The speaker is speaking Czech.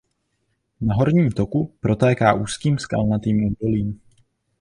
Na horním toku protéká úzkým skalnatým údolím.